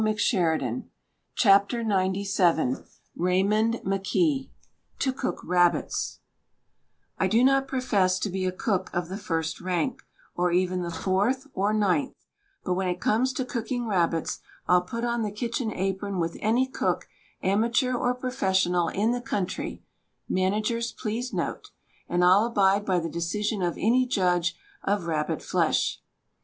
WRITTEN FOR MEN BY MEN XCVII Raymond McKee TO COOK RABBITS I do not profess to be a cook of the first rank, or even the fourth or ninth ; but when it comes to cooking rabbits I'll put on the kitchen apron with any cook, amateur or professional, in the country — (managers, please note!). And I'll abide by the decision of any judge of rabbit flesh.